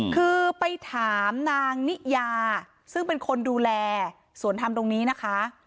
คือไปถามนางนิยาซึ่งเป็นคนดูแลสวนธรรมตรงนี้นะคะ